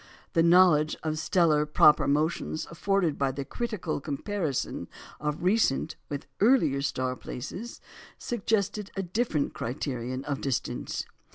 The knowledge of stellar proper motions afforded by the critical comparison of recent with earlier star places, suggested a different criterion of distance.